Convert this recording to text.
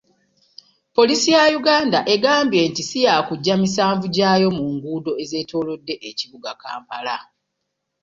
Poliisi ya Uganda egambye nti siyakujja misanvu gyayo mu nguudo ezeetoolodde ekibuga Kampala.